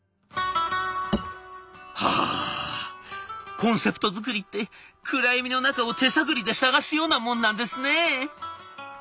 「コンセプト作りって暗闇の中を手探りで探すようなもんなんですね」。